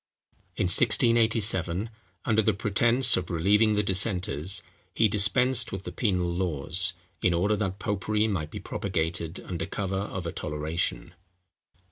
In 1687, under the pretence of relieving the dissenters, he dispensed with the penal laws, in order that popery might be propagated under cover of a toleration.